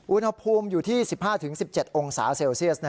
อุณหภูมิอยู่ที่๑๕๑๗องศาเซลเซียส